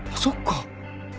そっか！